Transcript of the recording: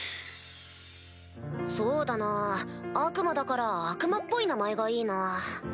そうだなぁ悪魔だから悪魔っぽい名前がいいな。